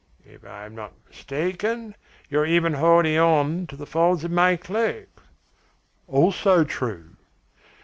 "If I am not mistaken, you are even holding on to the folds of my cloak?" "Also true."